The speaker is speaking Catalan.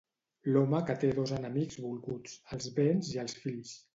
L'home té dos enemics volguts: els béns i els fills.